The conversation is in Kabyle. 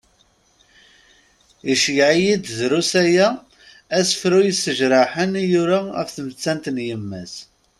Iceyyeε-iyi-d, drus aya, asefru yessejraḥen i yura af tmettant n yemma-s.